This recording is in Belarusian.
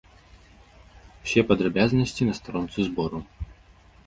Усе падрабязнасці на старонцы збору.